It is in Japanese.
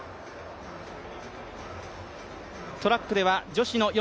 トラックでは女子の４